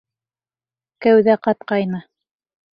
Кәүҙә ҡатҡайны.